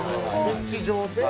ピッチ上で。